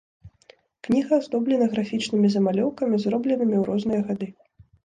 Кніга аздоблена графічнымі замалёўкамі, зробленымі ў розныя гады.